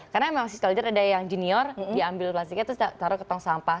karena memang si setelah itu ada yang junior dia ambil plastiknya terus taruh ke tong sampah